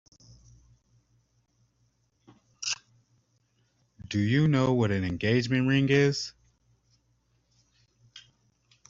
Do you know what an engagement ring is?